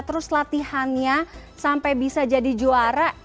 terus latihannya sampai bisa jadi juara